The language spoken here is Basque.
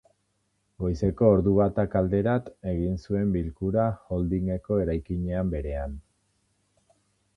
Goizeko ordu batak alderat egin zuten bilkura holding-eko eraikinean berean.